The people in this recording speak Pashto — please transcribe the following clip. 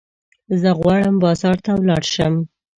زه غواړم بازار ته ولاړ شم.